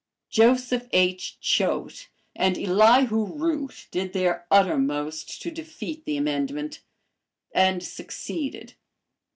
Joseph H. Choate and Elihu Root did their uttermost to defeat the amendment, and succeeded.